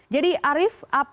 jadi arief apa